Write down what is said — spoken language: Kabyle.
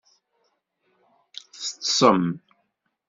Teṭṭsem?